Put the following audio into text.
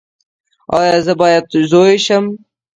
ایا زه باید زوی شم؟